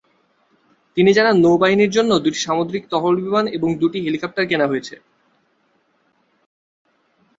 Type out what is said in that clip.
তিনি জানান নৌবাহিনীর জন্য দুইটি সামুদ্রিক টহল বিমান এবং দুইটি হেলিকপ্টার কেনা হয়েছে।